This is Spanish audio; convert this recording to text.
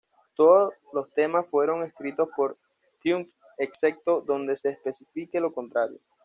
Todas las temas fueron escritos por Triumph, excepto donde se especifique lo contrario.